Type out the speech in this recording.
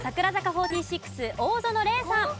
４６大園玲さん。